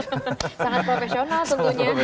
sangat profesional tentunya